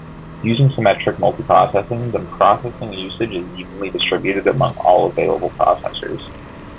Using symmetric multiprocessing, the processing usage is evenly distributed among all available processors.